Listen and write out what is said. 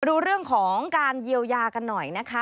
ดูเรื่องของการเยียวยากันหน่อยนะคะ